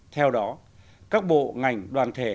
theo đó các bộ ngành đoàn thể